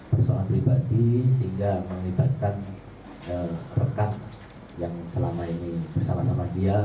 persoalan pribadi sehingga melibatkan rekan yang selama ini bersama sama dia